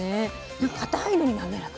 なんか固いのに滑らか。